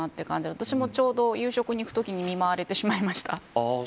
私もちょうど、夕食に行くときに見舞われてしまいました。